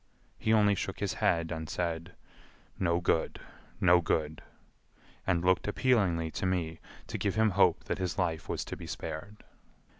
He only shook his head and said, "No good. No good," and looked appealingly to me to give him hope that his life was to be spared.